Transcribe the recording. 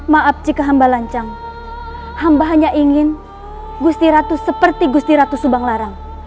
maaf jika hamba lancang hamba hanya ingin gusti ratu seperti gusti ratu subang larang